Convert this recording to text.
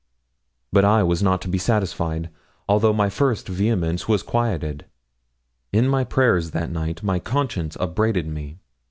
But I was not to be satisfied, although my first vehemence was quieted. In my prayers that night my conscience upbraided me.